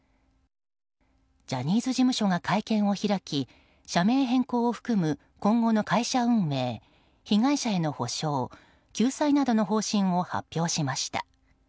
ジャニーズ事務所が会見を開き社名変更を含む今後の会社運営被害者への補償・救済などの方針を発表しました。